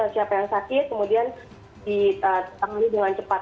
siapa yang sakit kemudian ditangani dengan cepat